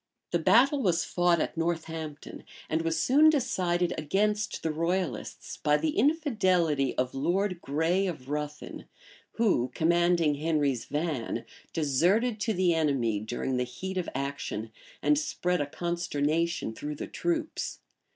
The battle was fought at Northampton; and was soon decided against the royalists by the infidelity of Lord Grey of Ruthin, who, commanding Henry's van, deserted to the enemy during the heat of action, and spread a consternation through the troops.